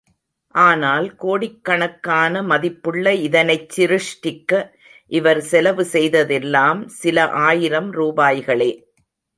ஆனால் கோடிக்கணக்கான மதிப்புள்ள இதனைச் சிருஷ்டிக்க இவர் செலவு செய்ததெல்லாம் சில ஆயிரம் ரூபாய்களே.